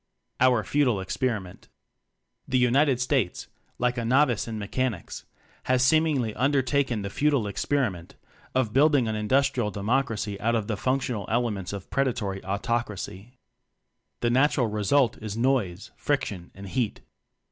Our Futile Experiment. The United States, like a novice in Mechanics, has seemingly under taken the futile experiment of build ing an Industrial Democracy out of the functional elements of Preda tory Autocracy. The natural result is noise, friction and heat.